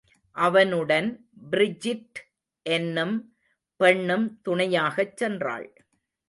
அவனுடன் பிரிஜிட் என்னும் பெண்ணும் துணையகச் சென்றாள்.